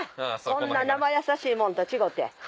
こんな生易しいもんと違て。